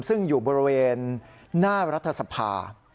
ซึ่งอยู่บริเวณหน้ารัฐสภา